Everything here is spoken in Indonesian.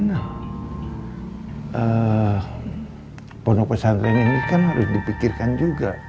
nah pondok pesantren ini kan harus dipikirkan juga